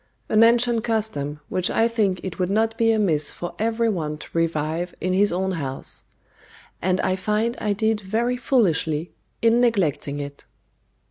An ancient custom, which I think it would not be amiss for every one to revive in his own house; and I find I did very foolishly in neglecting it.